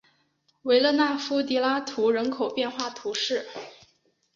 维勒纳夫迪拉图人口变化图示